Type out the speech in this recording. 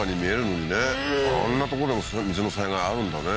うんあんなとこでも水の災害あるんだね